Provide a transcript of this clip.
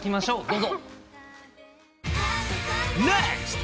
どうぞ。